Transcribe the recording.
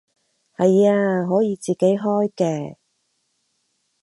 係啊，可以自己開嘅